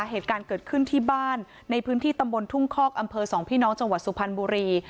เหตุการณ์เกิดขึ้นที่บ้านในพื้นที่ตำบลทุ่งคอกอำเภอสองพี่น้องจังหวัดสุพรรณบุรี